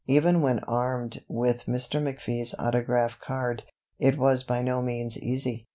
Even when armed with Mr. McFee's autographed card, it was by no means easy.